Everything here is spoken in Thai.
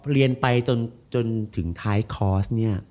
เรียนไปจนถึงท้ายคอร์สเนี่ย